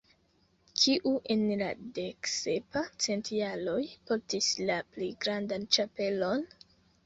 Kiu en la deksepa centjaro portis la plej grandan ĉapelon?